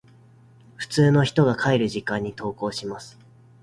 普通の人が帰る時間に登校します。